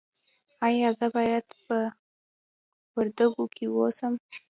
ایا زه باید په وردګو کې اوسم؟